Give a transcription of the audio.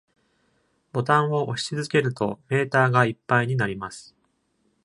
ボタンを押し続けるとメーターがいっぱいになります。